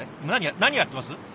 今何やってます？